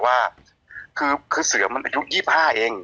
ว่าคือเสือมันอายุ๒๕เอง